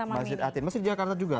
masjid atin masjid jakarta juga